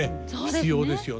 必要ですよね。